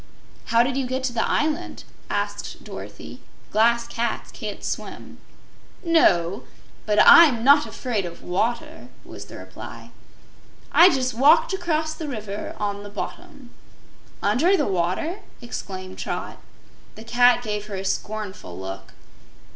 "How did you get to the island?" asked Dorothy. "Glass cats can't swim." "No, but I'm not afraid of water," was the reply. "I just walked across the river on the bottom." "Under the water?" exclaimed Trot. The cat gave her a scornful look.